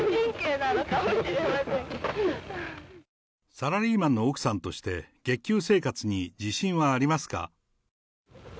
サラリーマンの奥さんとして月給生活に自信はありますか？